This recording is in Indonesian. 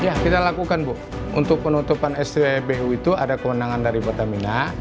ya kita lakukan bu untuk penutupan stibu itu ada kewenangan dari pertamina